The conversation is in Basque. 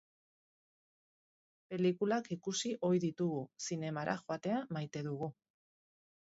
Pelikulak ikusi ohi ditugu, zinemara joatea maite dugu.